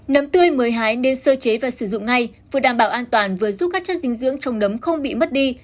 nấm tươi mới hái nên sơ chế và sử dụng ngay vừa đảm bảo an toàn vừa giúp các chất dinh dưỡng trong nấm không bị mất đi